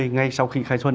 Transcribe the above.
ngay sau khi khai xuân